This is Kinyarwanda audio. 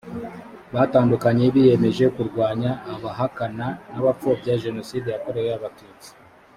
batandukanye biyemeje kurwanya abahakana n’abapfobya jenoside yakorewe abatutsi